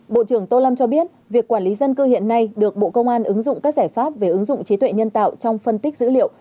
bộ trưởng tô lâm cho biết việc quản lý dân cư hiện nay được bộ công an ứng dụng các giải pháp về ứng dụng trí tuệ nhân tạo trong phân tích dữ liệu